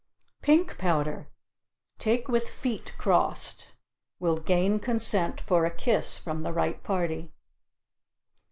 Pink powder take with feet crossed. Will gain consent for a kiss from the right party.